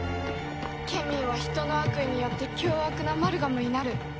ケミーは人の悪意によって凶悪なマルガムになる。